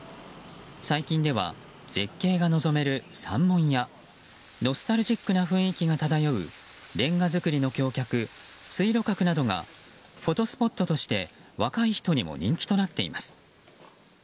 最近では、絶景が望める三門やノスタルジックな雰囲気が漂うレンガ造りの橋脚水路閣などがフォトスポットとして若い人にも人気となっています。